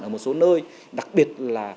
ở một số nơi đặc biệt là